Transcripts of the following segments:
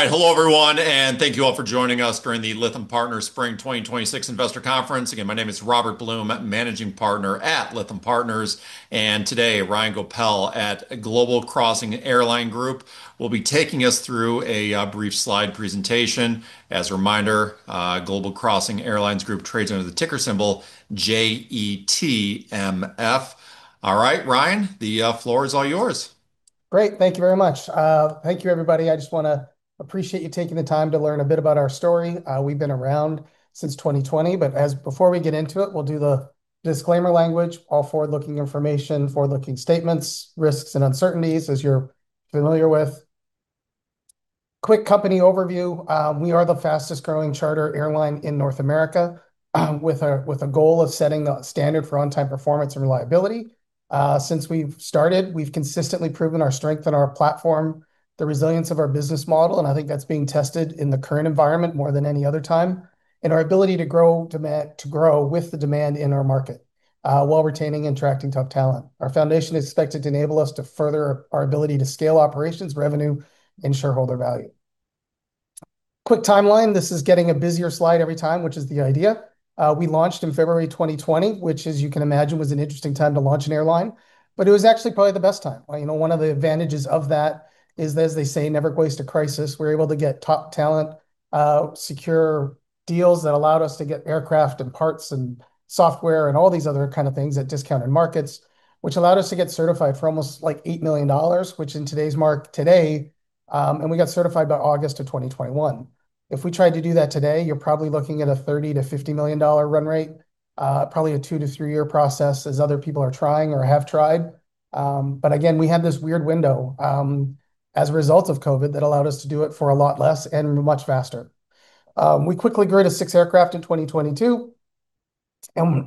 All right. Hello everyone, and thank you all for joining us during the Lytham Partners spring 2026 investor conference. Again, my name is Robert Blum, Managing Partner at Lytham Partners, and today Ryan Goepel at Global Crossing Airlines Group will be taking us through a brief slide presentation. As a reminder, Global Crossing Airlines Group trades under the ticker symbol JETMF. All right, Ryan, the floor is all yours. Great. Thank you very much. Thank you everybody. I just want to appreciate you taking the time to learn a bit about our story. We've been around since 2020, but before we get into it, we'll do the disclaimer language, all forward-looking information, forward-looking statements, risks, and uncertainties as you're familiar with. Quick company overview. We are the fastest growing charter airline in North America, with a goal of setting the standard for on-time performance and reliability. Since we've started, we've consistently proven our strength and our platform, the resilience of our business model, and I think that's being tested in the current environment more than any other time, and our ability to grow with the demand in our market, while retaining and attracting top talent. Our foundation is expected to enable us to further our ability to scale operations revenue and shareholder value. Quick timeline. This is getting a busier slide every time, which is the idea. We launched in February 2020, which as you can imagine, was an interesting time to launch an airline, but it was actually probably the best time. One of the advantages of that is that as they say, never waste a crisis. We were able to get top talent, secure deals that allowed us to get aircraft and parts and software and all these other kind of things at discounted markets, which allowed us to get certified for almost $8 million. We got certified by August of 2021. If we tried to do that today, you're probably looking at a $30 million-$50 million run rate, probably a two to three-year process as other people are trying or have tried. Again, we had this weird window, as a result of COVID-19, that allowed us to do it for a lot less and much faster. We quickly grew to six aircraft in 2022.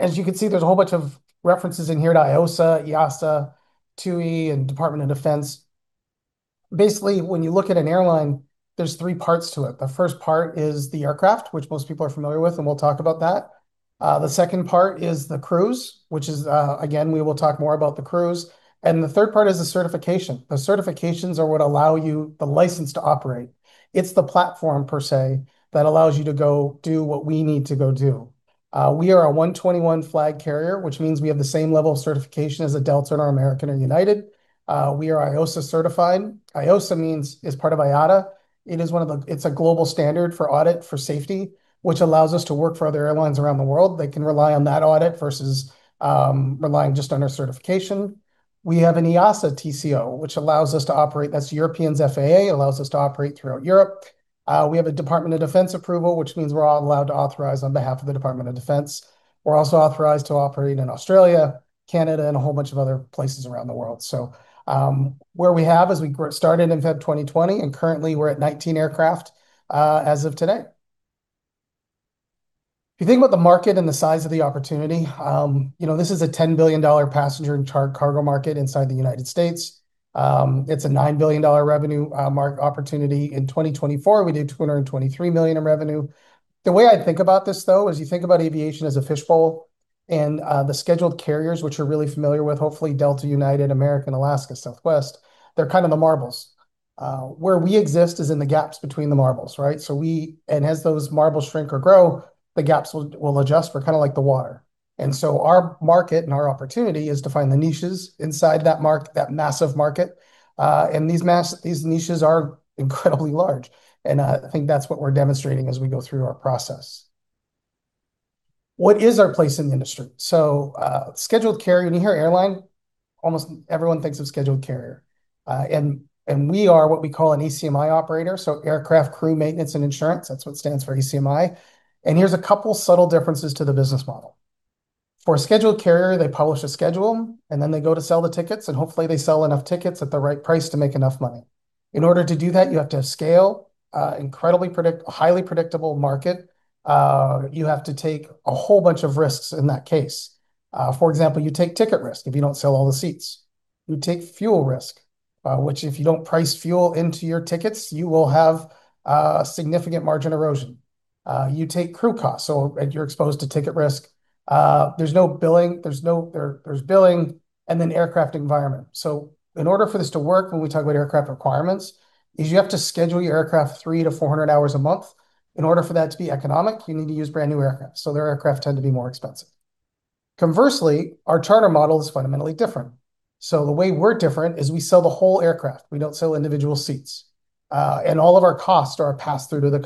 As you can see, there's a whole bunch of references in here to IOSA, EASA, TUI, and U.S. Department of Defense. Basically, when you look at an airline, there's three parts to it. The first part is the aircraft, which most people are familiar with, and we'll talk about that. The second part is the crews, which is, again, we will talk more about the crews. The third part is the certification. The certifications are what allow you the license to operate. It's the platform per se, that allows you to go do what we need to go do. We are a Part 121 flag carrier, which means we have the same level of certification as a Delta Air Lines and an American Airlines and United Airlines. We are IOSA certified. IOSA means is part of IATA. It's a global standard for audit for safety, which allows us to work for other airlines around the world. They can rely on that audit versus relying just on our certification. We have an EASA TCO, which allows us to operate as European FAA allwos us to operate throughout Europe. We have a U.S. Department of Defense approval, which means we're all allowed to authorize on behalf of the U.S. Department of Defense. We're also authorized to operate in Australia, Canada, and a whole bunch of other places around the world. Where we have is we started in February 2020, and currently we're at 19 aircraft, as of today. If you think about the market and the size of the opportunity, this is a $10 billion passenger and cargo market inside the United States. It's a $9 billion revenue market opportunity. In 2024, we did $223 million in revenue. The way I think about this though, is you think about aviation as a fishbowl and the scheduled carriers which are really familiar with hopefully Delta Air Lines, United Airlines, American Airlines, Alaska Airlines, Southwest Airlines, they're kind of the marbles. Where we exist is in the gaps between the marbles, right? As those marbles shrink or grow, the gaps will adjust. We're kind of like the water. Our market and our opportunity is to find the niches inside that massive market. These niches are incredibly large, and I think that's what we're demonstrating as we go through our process. What is our place in the industry? Scheduled carrier, when you hear airline, almost everyone thinks of scheduled carrier. We are what we call an ACMI operator, so Aircraft, Crew, Maintenance, and Insurance. That's what stands for ACMI. Here's a couple subtle differences to the business model. For a scheduled carrier, they publish a schedule, and then they go to sell the tickets, and hopefully they sell enough tickets at the right price to make enough money. In order to do that, you have to have scale, incredibly predictable, highly predictable market. You have to take a whole bunch of risks in that case. For example, you take ticket risk if you don't sell all the seats. You take fuel risk, which if you don't price fuel into your tickets, you will have significant margin erosion. You take crew costs, and you're exposed to ticket risk. There's billing, and then aircraft environment. In order for this to work, when we talk about aircraft requirements, is you have to schedule your aircraft 300-400 hours a month. In order for that to be economic, you need to use brand-new aircraft, so their aircraft tend to be more expensive. Conversely, our charter model is fundamentally different. The way we're different is we sell the whole aircraft. We don't sell individual seats. All of our costs are passed through to the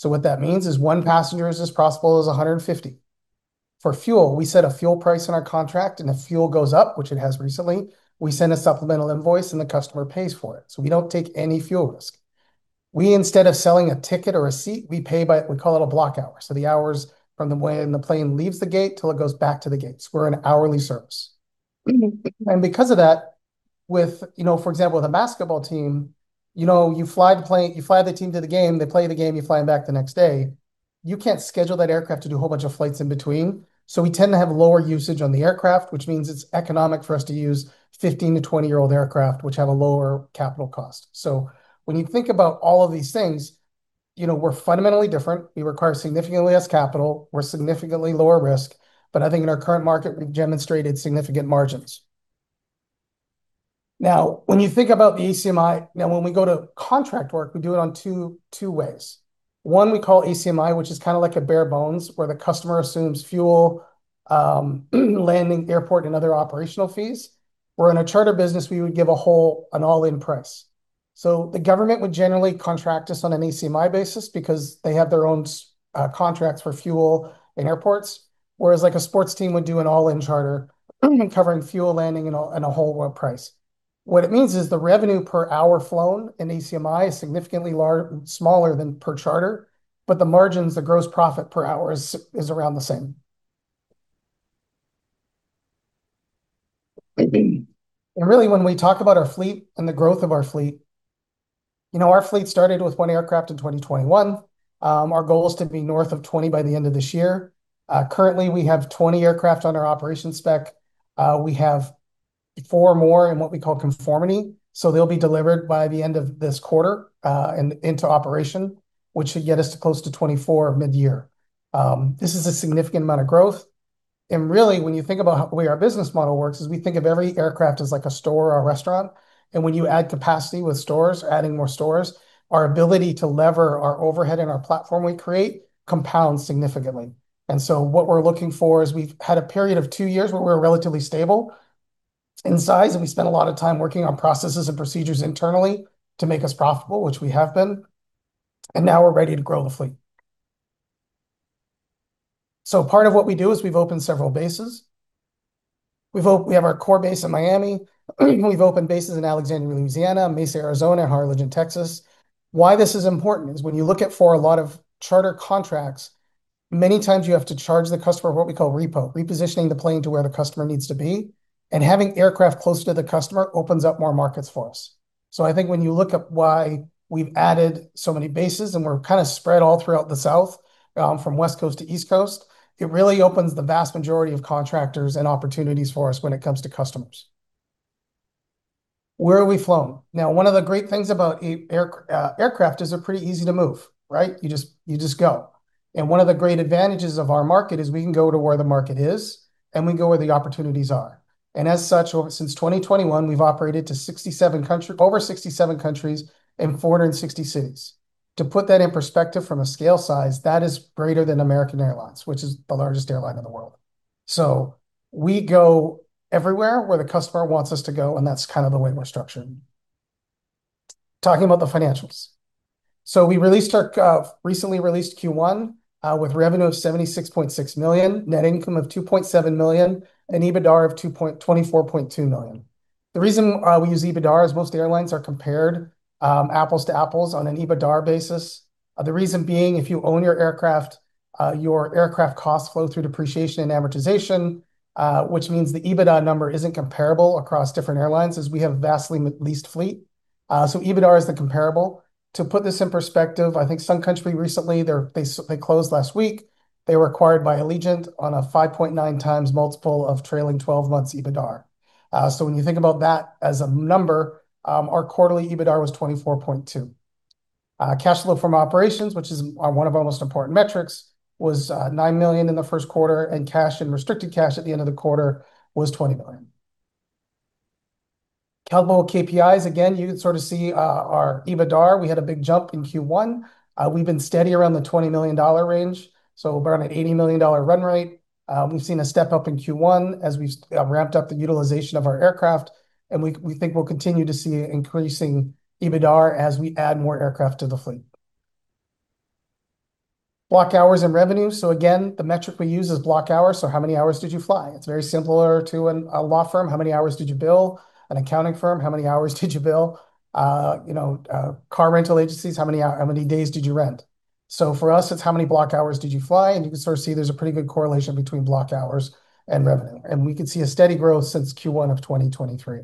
customer. What that means is one passenger is as profitable as 150. For fuel, we set a fuel price in our contract, and if fuel goes up, which it has recently, we send a supplemental invoice, and the customer pays for it. We don't take any fuel risk. We, instead of selling a ticket or a seat, we call it a block hour. The hours from when the plane leaves the gate till it goes back to the gate. We're an hourly service. Because of that with, for example, with a basketball team, you fly the team to the game, they play the game, you fly them back the next day. You can't schedule that aircraft to do a whole bunch of flights in between. We tend to have lower usage on the aircraft, which means it's economic for us to use 15-20-year-old aircraft, which have a lower capital cost. When you think about all of these things, we're fundamentally different. We require significantly less capital. We're significantly lower risk. I think in our current market, we've demonstrated significant margins. Now, when you think about the ACMI, when we go to contract work, we do it on two ways. One we call ACMI, which is kind of like a bare bones, where the customer assumes fuel, landing, airport, and other operational fees. In a charter business, we would give a whole, an all-in price. The government would generally contract us on an ACMI basis because they have their own contracts for fuel and airports, whereas a sports team would do an all-in charter, covering fuel, landing, and a whole world price. What it means is the revenue per hour flown in ACMI is significantly smaller than per charter, but the margins, the gross profit per hour, is around the same. Really, when we talk about our fleet and the growth of our fleet, our fleet started with one aircraft in 2021. Our goal is to be north of 20 by the end of this year. Currently, we have 20 aircraft under operations spec. We have four more in what we call conformity, so they'll be delivered by the end of this quarter, and into operation, which should get us to close to 24 mid-year. This is a significant amount of growth. Really, when you think about the way our business model works, is we think of every aircraft as like a store or a restaurant. When you add capacity with stores, adding more stores, our ability to lever our overhead and our platform we create compounds significantly. What we're looking for is we've had a period of two years where we're relatively stable in size, and we spent a lot of time working on processes and procedures internally to make us profitable, which we have been, and now we're ready to grow the fleet. Part of what we do is we've opened several bases. We have our core base in Miami. We've opened bases in Alexandria, Louisiana, Mesa, Arizona, and Harlingen, Texas. Why this is important is when you look at for a lot of charter contracts, many times you have to charge the customer what we call repo, repositioning the plane to where the customer needs to be. Having aircraft closer to the customer opens up more markets for us. I think when you look at why we've added so many bases, and we're kind of spread all throughout the South, from West Coast to East Coast, it really opens the vast majority of contractors and opportunities for us when it comes to customers. Where are we flown? Now, one of the great things about aircraft is they're pretty easy to move, right? You just go. One of the great advantages of our market is we can go to where the market is, and we go where the opportunities are. As such, since 2021, we've operated to over 67 countries and 460 cities. To put that in perspective from a scale size, that is greater than American Airlines, which is the largest airline in the world. We go everywhere where the customer wants us to go, and that's kind of the way we're structured. Talking about the financials. We recently released Q1, with revenue of $76.6 million, net income of $2.7 million, and EBITDAR of $24.2 million. The reason we use EBITDAR is most airlines are compared apples-to-apples on an EBITDAR basis. The reason being, if you own your aircraft, your aircraft costs flow through depreciation and amortization, which means the EBITDA number isn't comparable across different airlines as we have a vastly leased fleet. EBITDAR is the comparable. To put this in perspective, I think Sun Country Airlines recently, they closed last week. They were acquired by Allegiant Air on a 5.9x multiple of trailing 12 months EBITDAR. When you think about that as a number, our quarterly EBITDAR was $24.2 million. Cash flow from operations, which is one of our most important metrics, was $9 million in the first quarter, and cash and restricted cash at the end of the quarter was $20 million. Key KPIs, again, you can sort of see our EBITDAR. We had a big jump in Q1. We've been steady around the $20 million range, so we're on an $80 million run rate. We've seen a step up in Q1 as we've ramped up the utilization of our aircraft, and we think we'll continue to see increasing EBITDAR as we add more aircraft to the fleet. Block hours and revenue. Again, the metric we use is block hours, so how many hours did you fly? It's very similar to a law firm. How many hours did you bill? An accounting firm, how many hours did you bill? Car rental agencies, how many days did you rent? For us, it's how many block hours did you fly, and you can sort of see there's a pretty good correlation between block hours and revenue. We can see a steady growth since Q1 of 2023.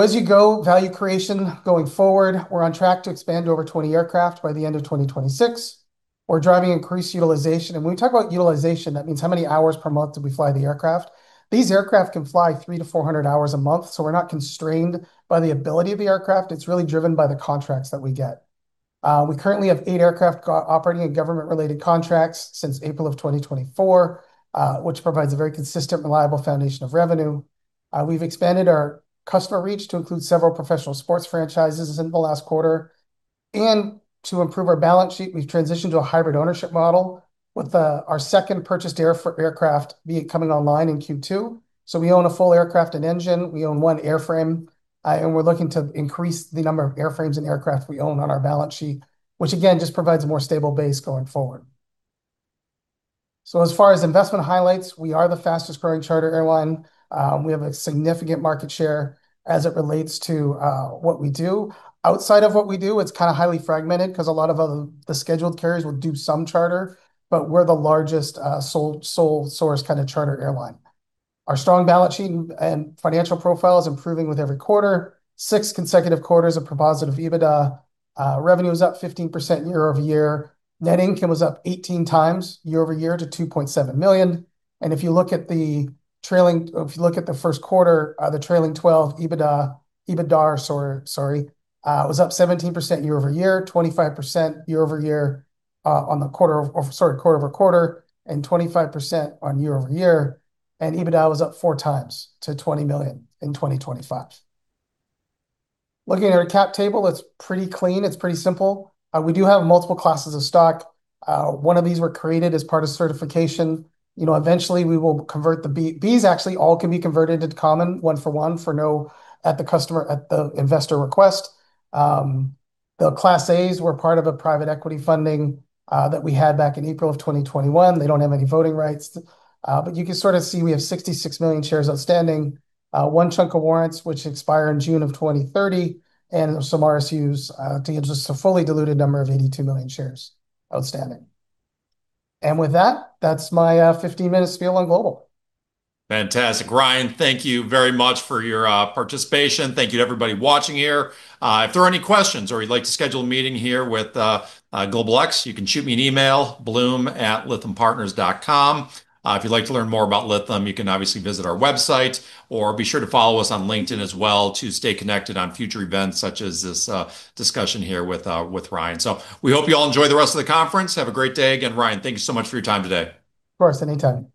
As you go, value creation going forward. We're on track to expand to over 20 aircraft by the end of 2026. We're driving increased utilization, and when we talk about utilization, that means how many hours per month did we fly the aircraft. These aircraft can fly 300-400 hours a month, so we're not constrained by the ability of the aircraft. It's really driven by the contracts that we get. We currently have eight aircraft operating in government-related contracts since April of 2024, which provides a very consistent, reliable foundation of revenue. We've expanded our customer reach to include several professional sports franchises in the last quarter. To improve our balance sheet, we've transitioned to a hybrid ownership model with our second purchased aircraft coming online in Q2. We own a full aircraft and engine, we own one airframe, and we're looking to increase the number of airframes and aircraft we own on our balance sheet, which again, just provides a more stable base going forward. As far as investment highlights, we are the fastest growing charter airline. We have a significant market share as it relates to what we do. Outside of what we do, it's kind of highly fragmented because a lot of the scheduled carriers will do some charter, but we're the largest sole source kind of charter airline. Our strong balance sheet and financial profile is improving with every quarter. Six consecutive quarters of positive EBITDA. Revenue is up 15% year-over-year. Net income was up 18x year-over-year to $2.7 million. If you look at the first quarter, the trailing 12, EBITDAR was up 17% year-over-year, 25% year-over-year on the quarter, or sorry, quarter-over-quarter, and 25% on year-over-year. EBITDA was up 4x to $20 million in 2025. Looking at our cap table, it's pretty clean. It's pretty simple. We do have multiple classes of stock. One of these were created as part of certification. Eventually we will convert the Bs actually all can be converted into common one for one for no at the investor request. The class As were part of a private equity funding that we had back in April of 2021. They don't have any voting rights. You can sort of see, we have 66 million shares outstanding. One chunk of warrants, which expire in June of 2030, and some RSUs to get just a fully diluted number of 82 million shares outstanding. With that's my 15-minute spiel on GlobalX. Fantastic. Ryan, thank you very much for your participation. Thank you to everybody watching here. If there are any questions or you'd like to schedule a meeting here with GlobalX, you can shoot me an email, blum@lythampartners.com. If you'd like to learn more about Lytham Partners, you can obviously visit our website, or be sure to follow us on LinkedIn as well to stay connected on future events such as this discussion here with Ryan. We hope you all enjoy the rest of the conference. Have a great day. Again, Ryan, thank you so much for your time today. Of course, anytime. All right.